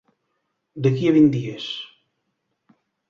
D'aquí a vint dies.